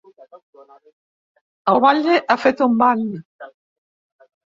El batlle ha fet un ban.